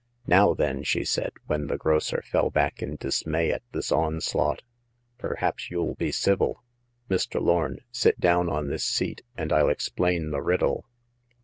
Now then," she said, when the grocer fell back in dismay at this onslaught, perhaps you'll be civil ! Mr. Lorn, sit down on this seat, and I'll explain the riddle."